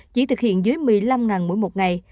chỉ thực hiện dưới một mươi năm mỗi một ngày